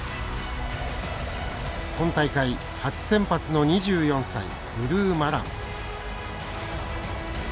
今大会、初先発の２４歳ルルー・マラン。